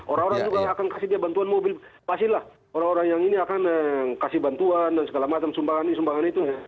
orang orang juga akan kasih dia bantuan mobil pastilah orang orang yang ini akan kasih bantuan dan segala macam sumbangan sumbangan itu